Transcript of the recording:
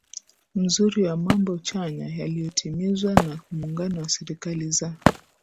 mzuri wa mambo chanya yaliyotimizwa na muungano wa serikali za